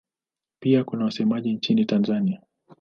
Pia kuna wasemaji nchini Tanzania.